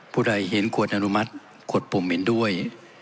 ผู้ใดเห็นควรอนุมัติกดปุ่มเห็นด้วย